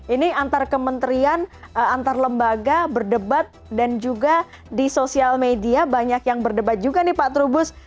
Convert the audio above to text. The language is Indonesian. ini antar kementerian antar lembaga berdebat dan juga di sosial media banyak yang berdebat juga nih pak trubus